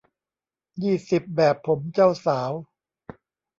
ยี่สิบ แบบผมเจ้าสาว